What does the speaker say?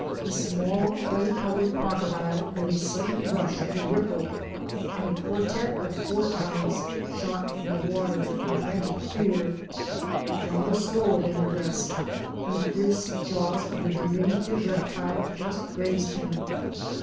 A small clay colored crocodile Fic. 6. Parrot Purr FrisH. made a sudden rush at a ripple, and a quartet of four eyes shot from the water in frantic fear. One was slower than the rest, and the fierce jaws of the diminutive reptile just grazed him.